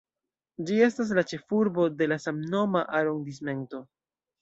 Ĝi estas la ĉefurbo de la samnoma arondismento.